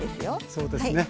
そうですね。